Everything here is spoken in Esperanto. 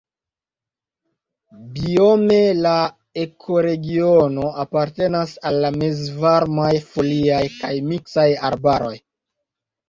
Biome la ekoregiono apartenas al la mezvarmaj foliaj kaj miksaj arbaroj.